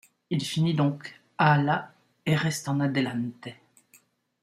Il finit donc à la et reste en Adelante.